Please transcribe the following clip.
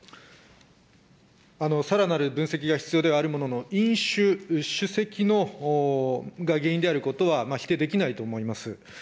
さらなる分析が必要ではあるものの、飲酒、酒席が原因であることは否定できないと思います。